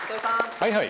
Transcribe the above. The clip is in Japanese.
はいはい。